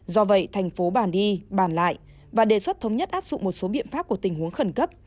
do vậy thành phố bản đi bàn lại và đề xuất thống nhất áp dụng một số biện pháp của tình huống khẩn cấp